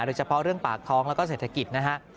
โดยเฉพาะเรื่องปากท้องแล้วก็เศรษฐกิจนะฮะ